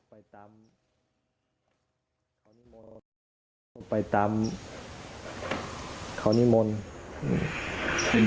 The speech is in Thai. ไปตามเขานิมนต์